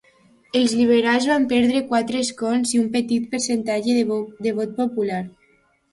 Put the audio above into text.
Els liberals van perdre quatre escons i un petit percentatge del vot popular.